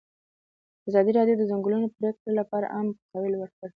ازادي راډیو د د ځنګلونو پرېکول لپاره عامه پوهاوي لوړ کړی.